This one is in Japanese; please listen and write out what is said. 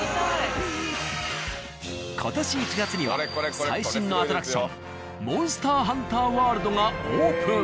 今年１月には最新のアトラクションモンスターハンターワールドがオープン。